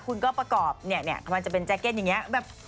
คุณก็ประกอบจะเป็นแจ็คเก็ตอย่างนี้